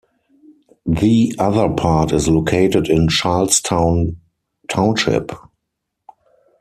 The other part is located in Charlestown Township.